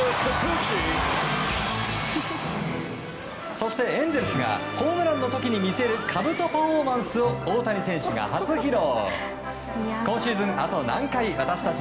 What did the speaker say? そして、エンゼルスがホームランの時に見せるかぶとパフォーマンスを大谷選手が初披露。